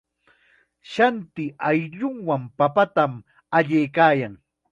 Shanti ayllunwan papatam allaykaayan.